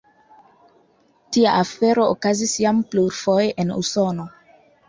Tia afero okazis jam plurfoje en Usono.